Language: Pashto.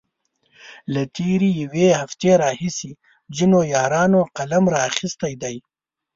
له تېرې يوې هفتې راهيسې ځينو يارانو قلم را اخستی دی.